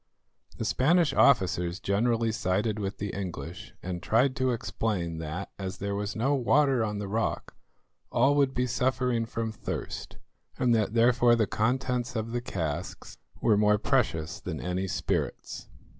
The Spanish officers generally sided with the English, and tried to explain that, as there was no water on the rock, all would be suffering from thirst, and that therefore the contents of the casks were more precious than any spirits.